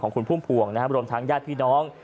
คุณพุ่มพวงรวมทั้งญาติพี่น้อง